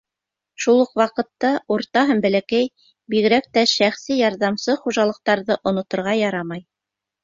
Шул уҡ ваҡытта урта һәм бәләкәй, бигерәк тә шәхси ярҙамсы хужалыҡтарҙы оноторға ярамай.